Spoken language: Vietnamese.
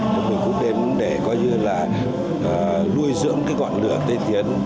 thì mình cũng đến để coi như là nuôi dưỡng cái gọn lửa tây tiến